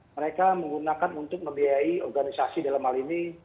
mereka menggunakan untuk membiayai organisasi dalam hal ini